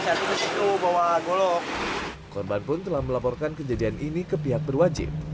saya terus itu bahwa golok korban pun telah melaporkan kejadian ini ke pihak berwajib